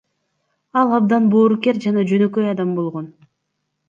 Ал абдан боорукер жана жөнөкөй адам болгон.